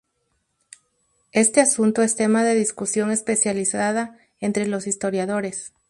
Este asunto es tema de discusión especializada entre los historiadores.